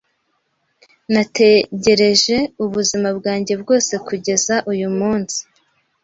Nategereje ubuzima bwanjye bwose kugeza uyu munsi.